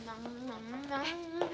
jangan bebas nyamuk